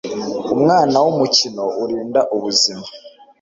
Umwana Wumukino urinda ubuzima.